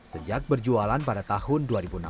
sejak berjualan pada tahun dua ribu enam belas